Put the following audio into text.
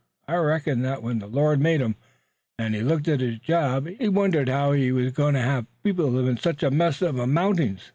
I reckon that when the Lord made 'em, an' looked at His job, he wondered how He wuz goin' to hev people live in sech a mass uv mountings.